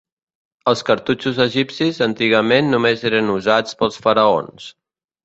Els cartutxos egipcis antigament només eren usats pels faraons.